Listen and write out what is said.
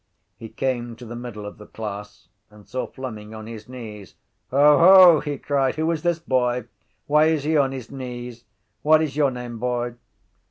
He came to the middle of the class and saw Fleming on his knees. —Hoho! he cried. Who is this boy? Why is he on his knees? What is your name, boy?